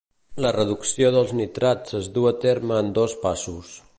La reducció dels nitrats es duu a terme en dos passos.